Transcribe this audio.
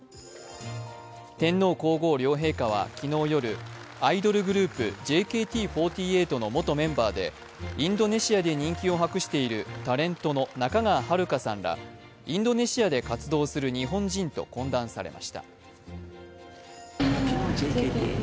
天皇皇后両陛下は昨日夜、アイドルグループ、ＪＫＴ４８の元メンバーでインドネシアで人気を博しているタレントの仲川遥香さんらインドネシアで活動する日本人と懇談されました。